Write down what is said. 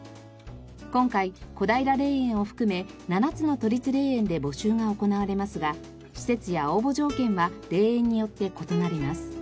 今回小平霊園を含め７つの都立霊園で募集が行われますが施設や応募条件は霊園によって異なります。